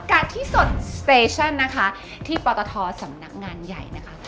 กะทิสดสเตชั่นนะคะที่ปลาตะทอสำนักงานใหญ่นะคะ